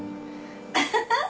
アハハ！